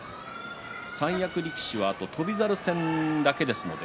三役力士はあと翔猿戦だけです。